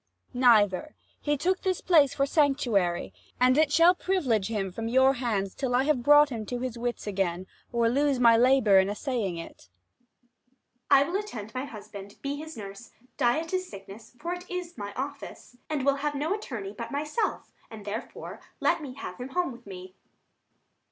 Abb. Neither: he took this place for sanctuary, And it shall privilege him from your hands 95 Till I have brought him to his wits again, Or lose my labour in assaying it. Adr. I will attend my husband, be his nurse, Diet his sickness, for it is my office, And will have no attorney but myself; 100 And therefore let me have him home with me.